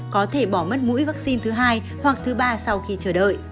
có thể bỏ mất mũi vaccine thứ hai hoặc thứ ba sau khi chờ đợi